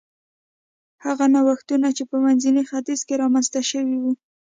هغه نوښتونه چې په منځني ختیځ کې رامنځته شوي و